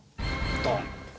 ドン。